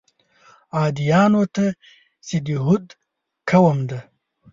عادیانو ته چې د هود قوم دی.